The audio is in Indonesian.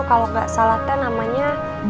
kalau nggak salah teh namanya